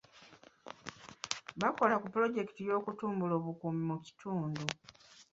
Bakola ku pulojekiti y'okutumbula obukuumi mu kitundu.